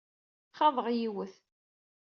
Xaḍeɣ yiwet.